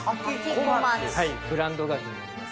ブランド牡蠣になります。